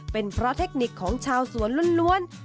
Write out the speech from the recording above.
เป็นเพราะเทคนิคของชาวสวนล้วน